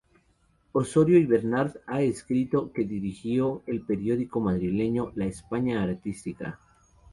Ossorio y Bernard ha escrito que dirigió el periódico madrileño "La España Artística".